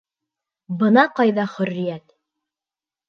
Бына ҡайҙа хөрриәт!